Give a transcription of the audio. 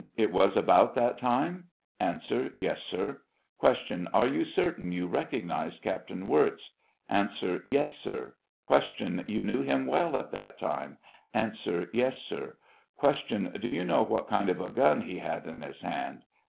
It was about that time ? A. Yes, sir. Q. Are you certain you recognize Captain Wirz 7 A. Yes, sir. Q. You know him well at that time ? A. Yes, sir. Q. Do you know what kind of a gun he had in his hand?